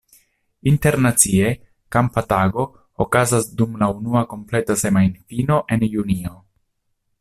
Internacie kampa tago okazas dum la unua kompleta semajnfino en junio.